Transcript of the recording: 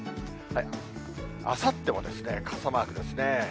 あさっても傘マークですね。